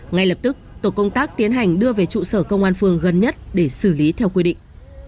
ngay lập tức tổ công tác tiến hành đưa về trụ sở công an phường gần nhất để xử lý theo quy định